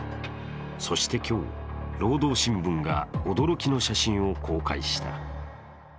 そして今日、「労働新聞」が驚きの写真を公開した。